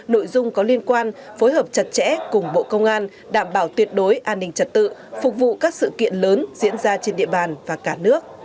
nội dung có liên quan phối hợp chặt chẽ cùng bộ công an đảm bảo tuyệt đối an ninh trật tự phục vụ các sự kiện lớn diễn ra trên địa bàn và cả nước